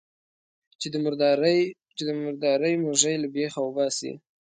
چې د مردارۍ موږی له بېخه وباسي.